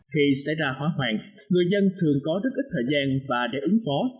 khi xảy ra hóa hoàng người dân thường có rất ít thời gian và để ứng phó